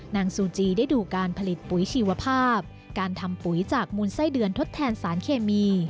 ซูจีได้ดูการผลิตปุ๋ยชีวภาพการทำปุ๋ยจากมูลไส้เดือนทดแทนสารเคมี